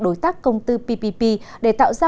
đối tác công tư ppp để tạo ra